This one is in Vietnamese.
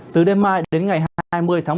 từ đêm mai đến ngày hai mươi tháng một mươi